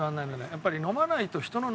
やっぱり。